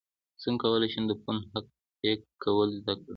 څنګه کولی شم د فون هک کول زده کړم